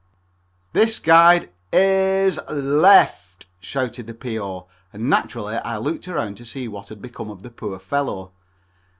_ "This guide i s l e f t!" shouted the P.O., and naturally I looked around to see what had become of the poor fellow.